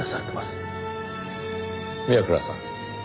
宮倉さん